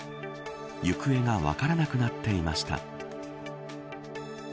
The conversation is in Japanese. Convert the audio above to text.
行方が分からなくなっていました。